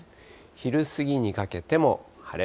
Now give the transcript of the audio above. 昼過ぎにかけても晴れ。